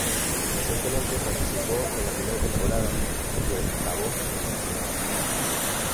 Recientemente, participó en la primera temporada de "La Voz de Filipinas".